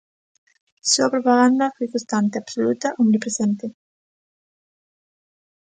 Só a propaganda foi constante, absoluta, omnipresente.